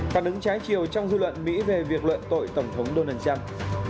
phản ứng trái chiều trong dư luận mỹ về việc luận tội tổng thống donald trump